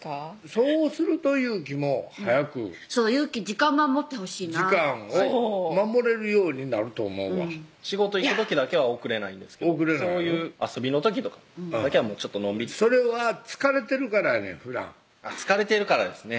そうするとゆーきも早くそうゆーき時間守ってほしいな時間を守れるようになると思うわ仕事行く時だけは遅れないんですけどそういう遊びの時とかだけはちょっとのんびりそれは疲れてるからやねんふだん疲れてるからですね